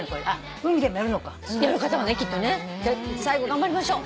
頑張りましょう。